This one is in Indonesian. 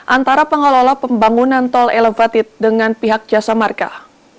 antara pengelola pembangunan tol elevated dengan pihak jasa markah